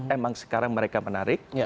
emang sekarang mereka menarik